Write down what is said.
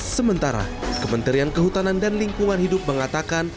sementara kementerian kehutanan dan lingkungan hidup mengatakan